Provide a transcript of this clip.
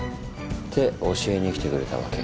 って教えにきてくれたわけ。